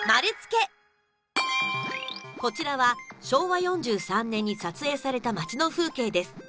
こちらは、昭和４３年に撮影された街の風景です。